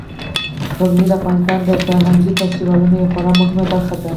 غزني د افغانستان د فرهنګي فستیوالونو یوه خورا مهمه برخه ده.